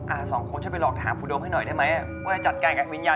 อ่าสองคนจะไปหลอกถามผู้โดรมให้หน่อยได้ไหมอะ